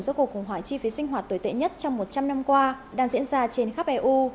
do cuộc khủng hoảng chi phí sinh hoạt tồi tệ nhất trong một trăm linh năm qua đang diễn ra trên khắp eu